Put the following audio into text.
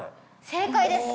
正解です。